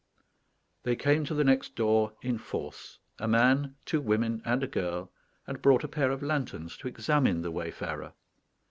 They came to the next door in force, a man, two women, and a girl, and brought a pair of lanterns to examine the wayfarer.